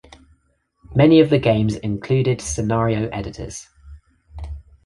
Many of the games included scenario editors.